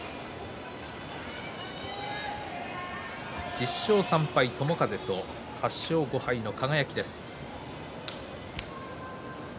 １０勝３敗に友風と８勝５敗の輝です。